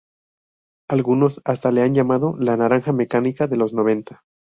Algunos hasta le han llamado "La Naranja Mecánica de los noventa".